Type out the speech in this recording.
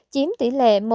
chiếm tỷ lệ một sáu